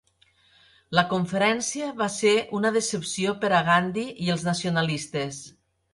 La conferència va ser una decepció per a Gandhi i els nacionalistes.